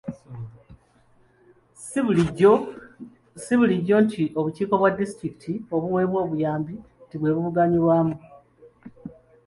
Ssi bulijjo nti obukiiko bw'oku disitulikiti obuweebwa obuyambi nti bwe bubuganyulwamu.